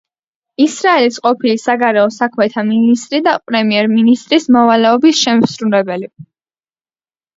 ისრაელის ყოფილი საგარეო საქმეთა მინისტრი და პრემიერ-მინისტრის მოვალეობის შემსრულებელი.